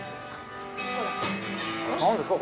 何ですか？